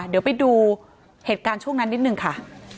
เดี๋ยวไปดูเหตุการณ์ช่วงนั้นนิดนึงค่ะ